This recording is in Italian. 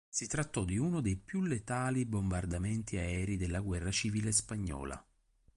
Si trattò di uno dei più letali bombardamenti aerei della Guerra civile spagnola.